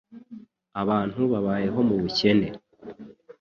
abantu babayeho mu bukene,